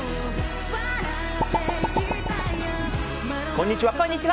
こんにちは。